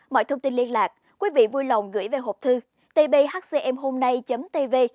mọi thông tin liên lạc quý vị vui lòng gửi về hộp thư tphcmhom nay tv